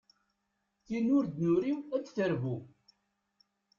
Tin ur d-nuriw ad d-terbu.